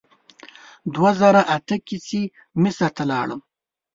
دوه زره اته کې چې مصر ته لاړم.